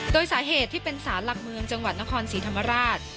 โดยสาเหตุที่เป็นสารหลักเมืองจังหวัดนครศรีธรรมราช